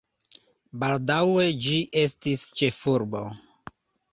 Baldaŭe ĝi estis ĉefurbo.